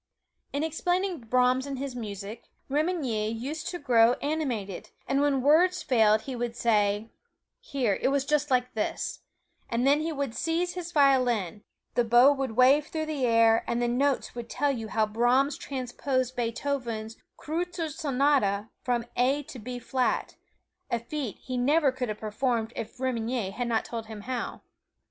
In explaining Brahms and his music, Remenyi used to grow animated, and when words failed he would say, "Here, it was just like this" and then he would seize his violin, the bow would wave through the air, and the notes would tell you how Brahms transposed Beethoven's "Kreutzer Sonata" from A to B flat a feat he never could have performed if Remenyi had not told him how.